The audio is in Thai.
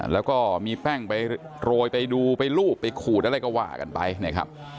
แล้วก็มีแป้งไปโรยไปดูไปรูปไปขูดอะไรก็ว่ากันไปนะครับ